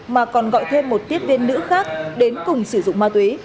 mà còn gọi thêm một tiếp viên nữ khác đến cùng sử dụng ma túy